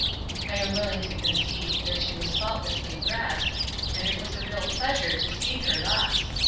I am willing to concede that she was faultlessly dressed, and it was a real pleasure to see her thus.